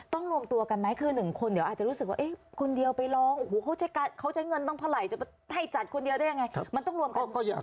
ต้องรวมตัวกันไหมคือ๑คนเดียวอาจจะรู้สึกว่า